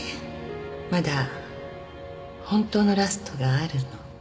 まだ本当のラストがあるの。